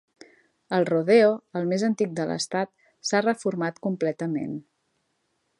El rodeo, el més antic de l "estat, s"ha reformat completament.